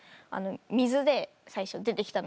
水で最初出て来たのが。